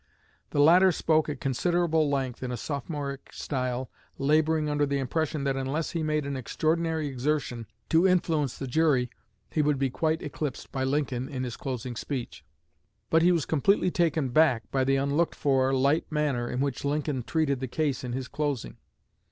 The latter spoke at considerable length, in a sophomoric style, laboring under the impression that unless he made an extraordinary exertion to influence the jury he would be quite eclipsed by Lincoln in his closing speech. But he was completely taken back by the unlooked for light manner in which Lincoln treated the case in his closing.